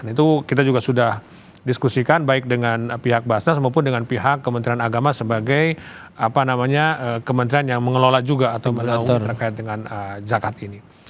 itu kita juga sudah diskusikan baik dengan pihak basnas maupun dengan pihak kementerian agama sebagai kementerian yang mengelola juga atau terkait dengan zakat ini